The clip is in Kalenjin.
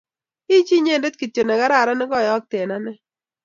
ichi inyete kito ne kararan ne kiyaaka Eng' ane